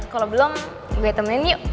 kalau belum gue temenin yuk